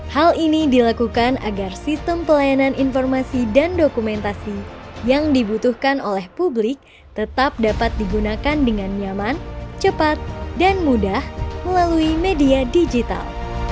hal ini dilakukan agar sistem pelayanan informasi dan dokumentasi yang dibutuhkan oleh publik tetap dapat digunakan dengan nyaman cepat dan mudah melalui media digital